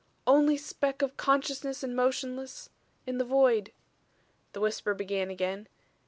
"Only speck of consciousness and motionless in the void," the whisper began again.